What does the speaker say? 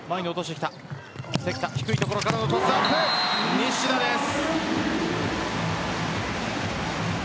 西田です。